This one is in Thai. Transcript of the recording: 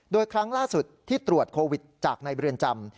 โดยครั้งล่าสุดที่ตรวจโควิดจากในเรือนจำ